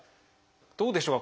どうでしょうか？